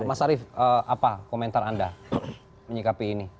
mas arief apa komentar anda menyikapi ini